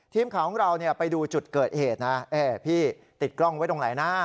ทีมข่าวของเราไปดูจุดเกิดเหตุนะพี่ติดกล้องไว้ตรงไหนนะ